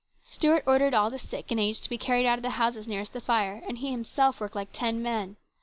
Stuart ordered all the sick and aged to be carried out of the houses nearest the fire, and he himself worked like ten men.